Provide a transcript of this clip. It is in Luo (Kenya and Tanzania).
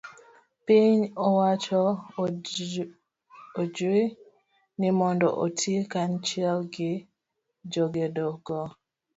piny owacho ojiw ni mondo oti kanachiel gi jogedo go.